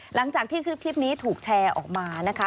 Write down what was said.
หลังจากที่คลิปนี้ถูกแชร์ออกมานะคะ